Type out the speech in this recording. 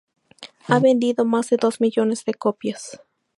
Ha vendido más de dos millones de copias.